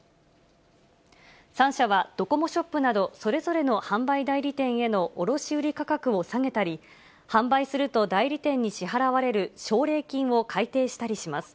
３社は、ドコモショップなどそれぞれの販売代理店への卸売り価格を下げたり、販売すると代理店に支払われる奨励金を改定したりします。